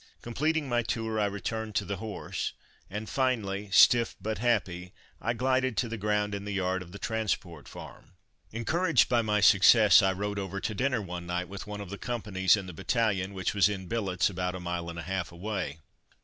Completing my tour I returned to the horse, and finally, stiff but happy, I glided to the ground in the yard of the Transport Farm. Encouraged by my success I rode over to dinner one night with one of the Companies in the Battalion which was in billets about a mile and a half away.